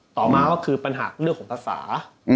ต่อมาก็คือปัญหาเรื่องของภาษา